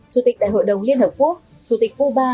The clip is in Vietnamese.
chủ tịch đại hội đồng liên hợp quốc chủ tịch u ba